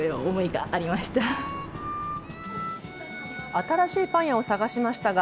新しいパン屋を探しましたが